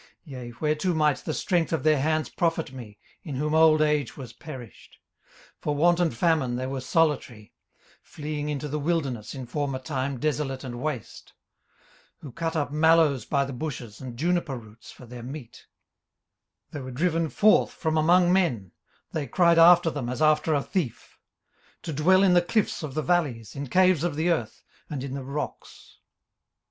18:030:002 Yea, whereto might the strength of their hands profit me, in whom old age was perished? 18:030:003 For want and famine they were solitary; fleeing into the wilderness in former time desolate and waste. 18:030:004 Who cut up mallows by the bushes, and juniper roots for their meat. 18:030:005 They were driven forth from among men, (they cried after them as after a thief;) 18:030:006 To dwell in the cliffs of the valleys, in caves of the earth, and in the rocks.